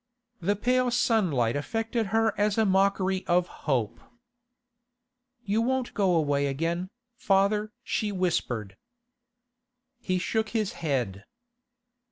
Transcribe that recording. The pale sunlight affected her as a mockery of hope. 'You won't go away again, father?' she whispered. He shook his head.